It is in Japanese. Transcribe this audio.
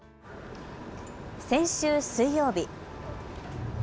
先週、水曜日。